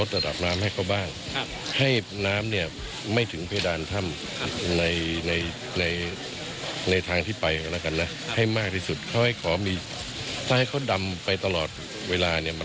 สเลยกับการเขาเข้าไปก็จะสลิกจอมตัดแล้ว